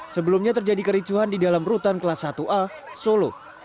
sebelumnya terjadi kericuhan di dalam rutan kelas satu a solo